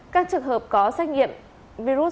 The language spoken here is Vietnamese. các trường hợp có xét nghiệm virus